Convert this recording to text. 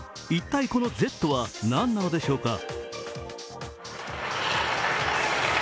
一体、この「Ｚ」は何なのでしょうか。